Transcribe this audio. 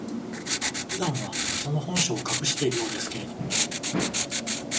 普段は、その本性を隠しているようですけれども、